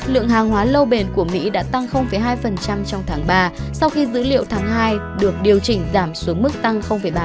lượng hàng hóa lâu bền của mỹ đã tăng hai trong tháng ba sau khi dữ liệu tháng hai được điều chỉnh giảm xuống mức tăng ba